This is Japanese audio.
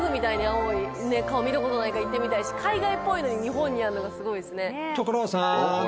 見たことないから行ってみたいし海外っぽいのに日本にあるのがすごいですね。